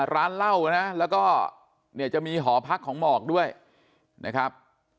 ร้านเหล้านะแล้วก็เนี่ยจะมีหอพักของหมอกด้วยนะครับ